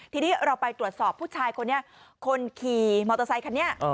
ทีนี้เราไปตรวจสอบผู้ชายคนนี้คนขี่มอเตอร์ไซคันนี้